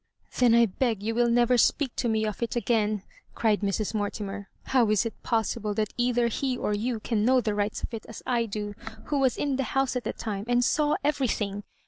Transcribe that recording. " Then I beg you will never speak to me of it again 1'* cried Mrs. Mortimer. " How is it pos sible that either he or you can know the rights of it as I do, who was in the house at the time, and saw everything